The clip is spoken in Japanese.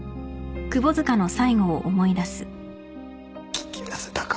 聞き出せたか？